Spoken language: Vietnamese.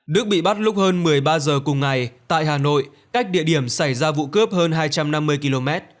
đức bị bắt lúc hơn một mươi ba h cùng ngày tại hà nội cách địa điểm xảy ra vụ cướp hơn hai trăm năm mươi km